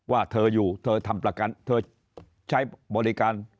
ว่าเธออยู่เธอทำประกันเธอใช้บริการ